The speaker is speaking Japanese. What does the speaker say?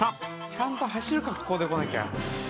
ちゃんと走る格好で来なきゃ。